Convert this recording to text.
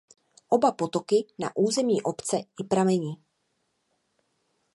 Oba potoky na území obce i pramení.